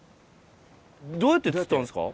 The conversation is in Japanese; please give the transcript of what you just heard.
どうやって釣ったんですか？